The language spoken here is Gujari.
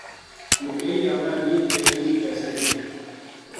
مکئی ہمنا نیہہ دینی پیسے گی